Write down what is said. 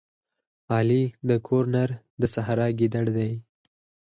علي د کور نر د سحرا ګیدړه ده.